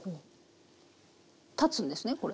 立つんですねこれ。